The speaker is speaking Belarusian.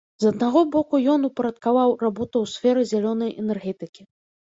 З аднаго боку, ён упарадкаваў работу ў сферы зялёнай энергетыкі.